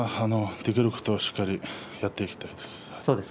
できることはしっかりやっていきたいです。